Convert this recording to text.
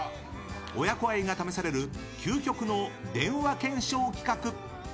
親子愛が試される究極の電話検証企画！